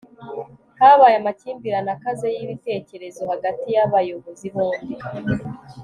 habaye amakimbirane akaze y'ibitekerezo hagati y'abayobozi bombi